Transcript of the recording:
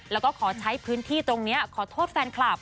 แล้วก็ขอใช้พื้นที่ตรงนี้ขอโทษแฟนคลับ